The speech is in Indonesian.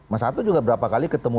mas ato juga berapa kali ketemu